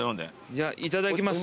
じゃあいただきます。